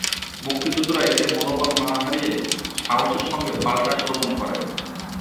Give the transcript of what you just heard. মুক্তিযোদ্ধারা এতে মনোবল না হারিয়ে সাহসের সঙ্গে পাল্টা আক্রমণ করেন।